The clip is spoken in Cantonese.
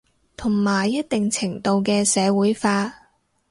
同埋一定程度嘅社會化